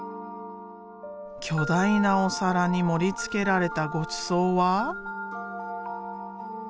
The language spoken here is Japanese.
巨大なお皿に盛りつけられたごちそうは。